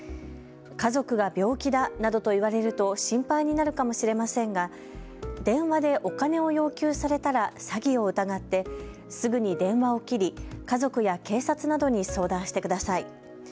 家族が病気だなどと言われると心配になるかもしれませんが電話でお金を要求されたら詐欺を疑ってすぐに電話を切り家族や警察などに相談してください。